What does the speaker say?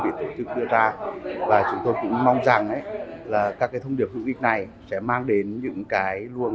vị tổ chức đưa ra và chúng tôi cũng mong rằng các thông điệp hữu ích này sẽ mang đến những cái luồng